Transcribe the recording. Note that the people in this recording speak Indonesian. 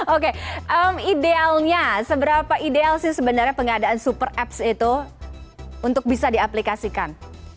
oke idealnya seberapa ideal sih sebenarnya pengadaan super apps itu untuk bisa diaplikasikan